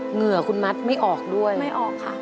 เหงื่อคุณมัดไม่ออกด้วยไม่ออกค่ะ